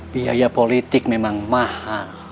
biaya politik memang mahal